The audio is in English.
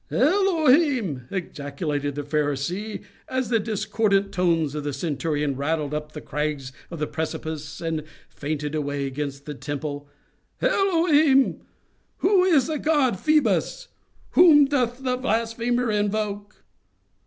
"El Elohim!" ejaculated the Pharisee, as the discordant tones of the centurion rattled up the crags of the precipice, and fainted away against the temple—"El Elohim!—who is the god Phœbus?—whom doth the blasphemer invoke?